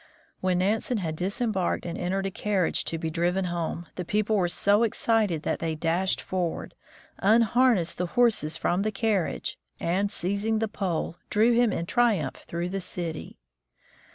When Nansen had disembarked and entered a carriage to be driven home, the people were so excited that they dashed forward, unharnessed the horses from the carriage, and seizing the pole, drew him in triumph through the city.